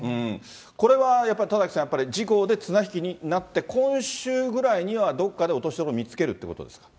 これは田崎さん、やっぱり自公で綱引きになって、今週ぐらいにはどこかで落としどころ見つけるということですか。